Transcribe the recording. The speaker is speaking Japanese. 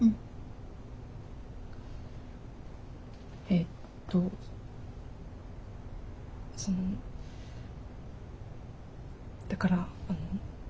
えっとそのだからあの。